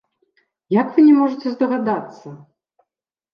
Як вы не можаце здагадацца?